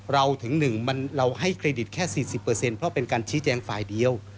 ถึง๑เราให้เครดิตแค่๔๐เพราะเป็นการชี้แจงฝ่ายเดียว